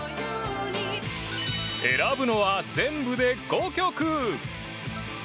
選ぶのは全部で５曲。